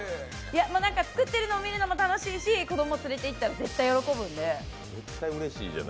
作ってるのを見るのも楽しいし子供を連れていったら絶対喜ぶんで。